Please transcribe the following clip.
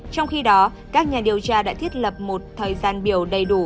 trong khi đó các nhà điều tra đã thiết lập một thời gian biểu đầy đủ